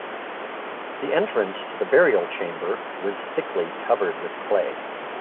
The entrance to the burial chamber was thickly covered with clay.